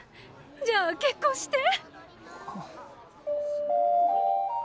じゃあ結婚して。